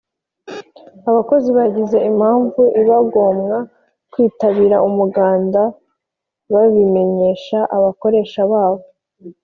abakozi bagize impamvu ibagomwa kwitabira umuganda babimenyesha abakoresha babo